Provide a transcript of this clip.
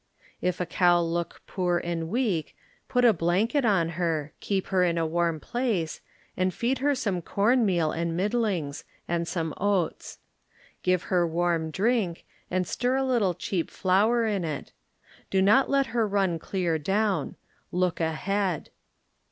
If a cow look poor and weak, put a blanket on her, keep her in a warm place, and feed her some corn meal and middlings, and some oats. Give her warm drink, and stir a little cheap flour in it. Do not let her run clear down. Look ahead.